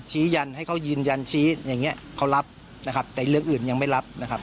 ยืนยันให้เขายืนยันชี้อย่างเงี้เขารับนะครับแต่เรื่องอื่นยังไม่รับนะครับ